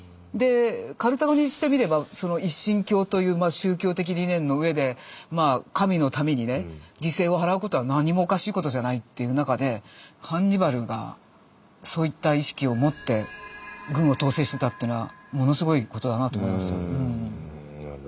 でカルタゴにしてみれば一神教という宗教的理念の上で神のためにね犠牲を払うことは何もおかしいことじゃないっていう中でハンニバルがそういった意識を持って軍を統制してたっていうのはものすごいことだなと思いますよ。